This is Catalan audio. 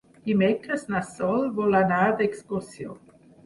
Dimecres na Sol vol anar d'excursió.